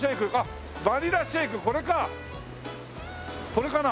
これかな？